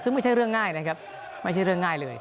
ซึ่งไม่ใช่เรื่องง่ายนะครับไม่ใช่เรื่องง่ายเลย